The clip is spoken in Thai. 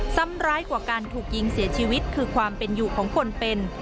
ซ้ำร้ายกว่าการถูกยิงเสียชีวิตคือความเป็นอยู่ของคนเป็น